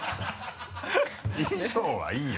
衣装はいいよ。